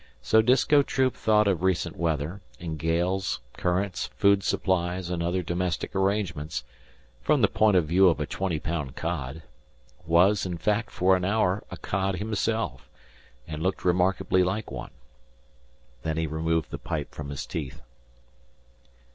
So Disko Troop thought of recent weather, and gales, currents, food supplies, and other domestic arrangements, from the point of view of a twenty pound cod; was, in fact, for an hour a cod himself, and looked remarkably like one. Then he removed the pipe from his teeth.